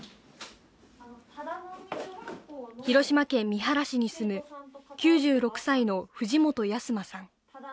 広島県三原市に住む９６歳の藤本安馬さん